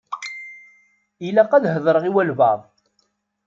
Ilaq ad heḍṛeɣ i walebɛaḍ.